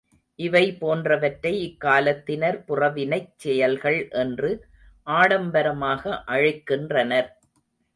இவை போன்றவற்றை இக்காலத்தினர் புறவினைச் செயல்கள் என்று ஆடம்பரமாக அழைக்கின்றனர்.